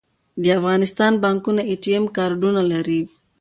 د افغانستان بانکونه اې ټي ایم کارډونه لري